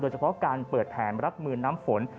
เฉพาะการเปิดแผนรับมือน้ำฝน